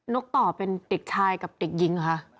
กต่อเป็นเด็กชายกับเด็กหญิงเหรอคะ